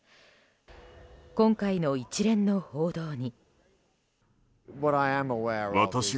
今回の一連の報道に。